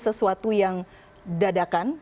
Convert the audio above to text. sesuatu yang dadakan